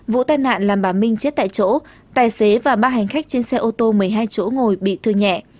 vụ tai nạn làm bà minh chết tại chỗ tài xế và ba hành khách trên xe ô tô một mươi hai chỗ ngồi bị thương nhẹ